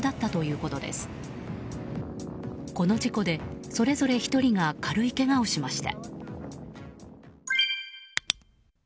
この事故で、それぞれ１人が軽いけがをしました。